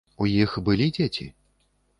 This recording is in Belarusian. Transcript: У іх былі дзеці?